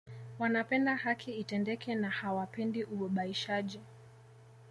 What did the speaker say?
Wanapenda haki itendeke na hawapendi ubabaishaji